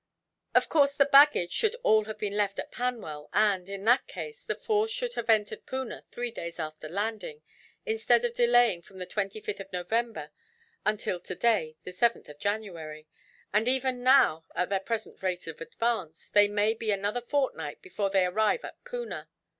"Of course, the baggage should all have been left at Panwell and, in that case, the force could have entered Poona three days after landing, instead of delaying from the 25th of November until today, the 7th of January; and even now, at their present rate of advance, they may be another fortnight before they arrive at Poona.